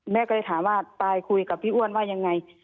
แม่ก็เลยถามว่าปลายคุยกับพี่อ้วนว่ายังไง